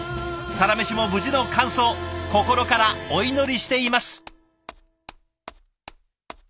「サラメシ」も無事の完走心からお祈りしています。